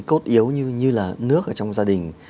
cốt yếu như là nước ở trong gia đình